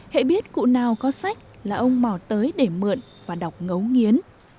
hãy biết cụ nào có sách là ông mò tới để mượn và đọc ngấu nghiến